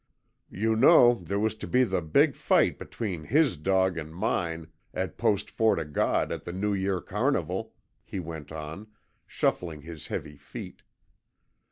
"You know, there was to be the big fight between HIS dog and mine at Post Fort O' God at the New Year carnival," he went on, shuffling his heavy feet.